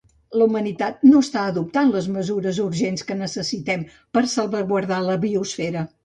La humanitat no està adoptant les mesures urgents que necessitem per salvaguardar la biosfera.